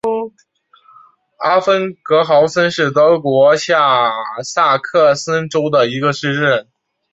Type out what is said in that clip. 阿芬格豪森是德国下萨克森州的一个市镇。